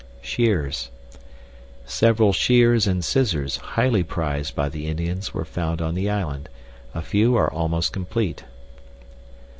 Shears. Several shears and scissors, highly prized by the Indians, were found on the island. A few are almost complete.